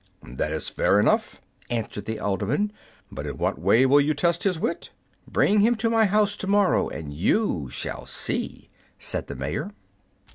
"That is fair enough," answered the alderman; "but in what way will you test his wit?" "Bring him to my house to morrow, and you shall see," said the mayor.